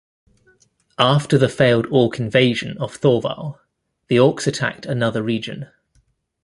After the failed orc invasion on Thorwal, the orcs attacked another region.